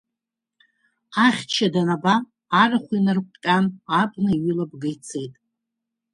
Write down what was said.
Ахьча данаба, арахә инарыҟәҟьан, абна иҩылабга ицеит.